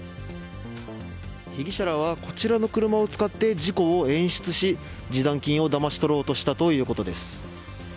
被疑者らはこちらの車を使って事故を演出し示談金をだまし取ろうとしたということです。